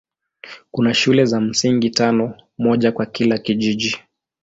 Kuna shule za msingi tano, moja kwa kila kijiji.